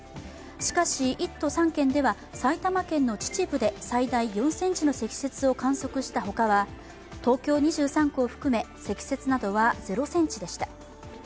しかし１都３県では埼玉県の秩父で、最大４ｃｍの積雪を観測したほかは東京２３区を含め、積雪などは０ｃｍでした。